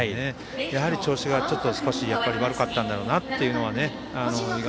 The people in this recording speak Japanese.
やはり調子が少し悪かったんだろうなと。